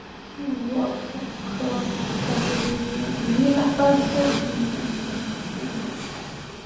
A red ribbon tied to the foot will prevent it from stumbling.